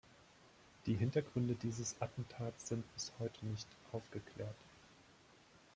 Die Hintergründe dieses Attentats sind bis heute nicht aufgeklärt.